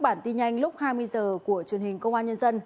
bản tin nhanh lúc hai mươi h của truyền hình công an nhân dân